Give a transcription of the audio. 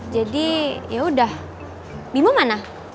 jadi yaudah bimu mana